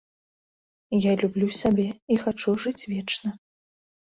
Я люблю сябе і хачу жыць вечна.